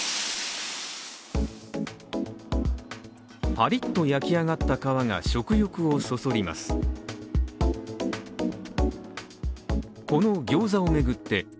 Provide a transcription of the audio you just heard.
パリッと焼き上がった皮が食欲をそそります。